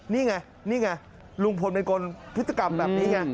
นี่ไงลุงพลฯเป็นคนพฤษฐกรรมแบบนี้ไง